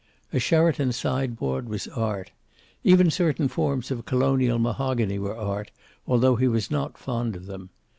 A Sheraton sideboard was art. Even certain forms of Colonial mahogany were art, although he was not fond of them.